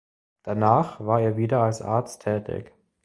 Danach war er wieder als Arzt tätig.